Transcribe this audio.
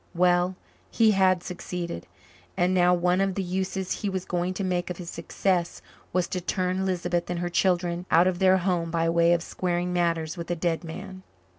Well, he had succeeded and now one of the uses he was going to make of his success was to turn Lisbeth and her children out of their home by way of squaring matters with a dead man!